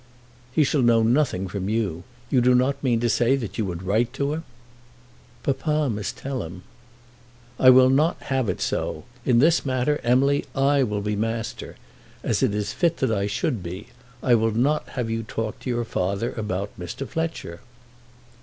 "He shall know nothing from you. You do not mean to say that you would write to him?" "Papa must tell him." "I will not have it so. In this matter, Emily, I will be master, as it is fit that I should be. I will not have you talk to your father about Mr. Fletcher."